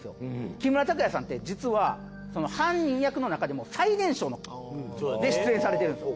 木村拓哉さんって実は犯人役のなかでも最年少の。で出演されてるんです。